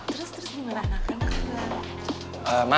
terus terus gimana karena aku udah